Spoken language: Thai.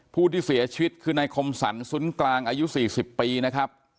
ผู้ที่เสียชีวิตคือนายคมสรรสุนกลางอายุ๔๐ปีนะครับ